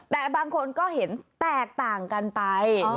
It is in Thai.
แต่บางคนก็เห็นแตกต่างกันไป